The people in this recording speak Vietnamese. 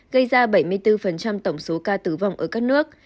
gây ra bảy mươi bốn tổng số ca tử vong ở các nước